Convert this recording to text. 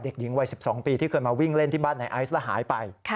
เด็กหญิงวัย๑๒ปีที่เคยมาวิ่งเล่นที่บ้านในไอซ์แล้วหายไป